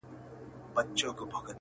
که د خولې مهر په حلوا مات کړي,